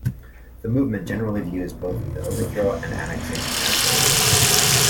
The movement generally views both the overthrow and annexation as illegal.